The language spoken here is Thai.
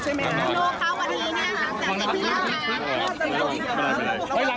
เห็นแล้วเห็นแล้วไม่กล้าสัมภาษณ์ล่ะ